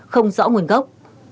không rõ nguồn gốc